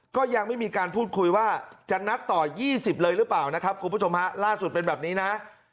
ก็ยังไม่มีการพูดคุยว่าจะนัดต่อ๒๐เลยหรือเปล่านะครับคุณผู้ชมฮะล่าสุดเป็นแบบนี้นะ